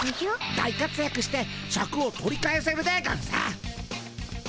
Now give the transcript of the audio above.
大かつやくしてシャクを取り返せるでゴンス。